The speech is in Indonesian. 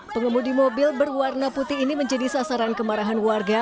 pengemudi mobil berwarna putih ini menjadi sasaran kemarahan warga